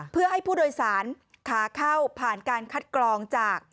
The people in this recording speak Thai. เพื่อให้ผู้โดยสารขาเข้าผ่านการคัดกรองจาก